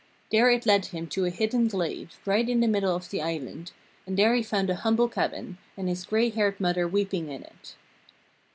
There it led him to a hidden glade, right in the middle of the island, and there he found a humble cabin, and his gray haired mother weeping in it.